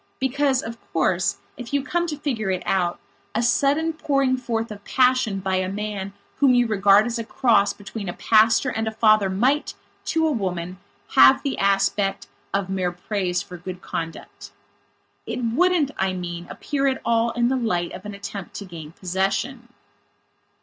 Because, of course, if you come to figure it out, a sudden pouring forth of passion by a man whom you regard as a cross between a pastor and a father might, to a woman, have the aspect of mere praise for good conduct. It wouldn't, I mean, appear at all in the light of an attempt to gain possession.